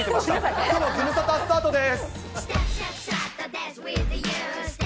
きょうのズムサタ、スタートです。